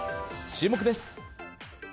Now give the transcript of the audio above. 注目です。